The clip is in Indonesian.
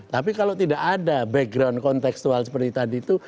tapi kalau tidak ada background konteksual seperti tadi itu